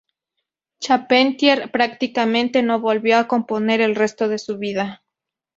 Charpentier prácticamente no volvió a componer el resto de su vida.